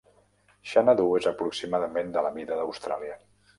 Xanadu és aproximadament de la mida d'Austràlia.